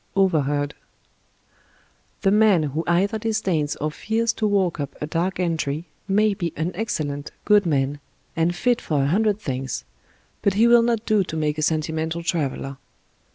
OVERHEARD The man who either disdains or fears to walk up a dark entry may be an excellent, good man, and fit for a hundred things, but he will not do to make a sentimental traveler.